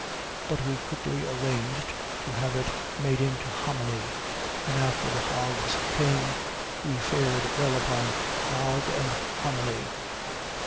But we quickly arranged to have it made into hommony, and after the hogs came, we fared well upon "hog and hommony."